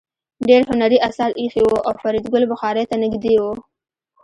ډېر هنري اثار ایښي وو او فریدګل بخارۍ ته نږدې و